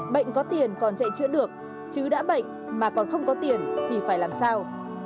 bệnh có tiền còn chạy chữa được chứ đã bệnh mà còn không có tiền thì phải làm sao